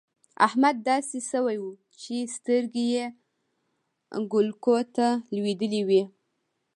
احمد داسې شوی وو چې سترګې يې کولکو ته لوېدلې وې.